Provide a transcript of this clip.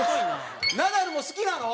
ナダルも好きなの？